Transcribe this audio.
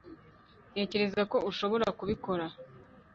ntekereza ko ushobora kubikora